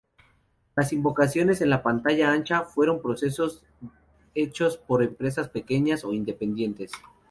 Las innovaciones en la pantalla ancha fueron procesos hechos por empresas pequeñas o independientes.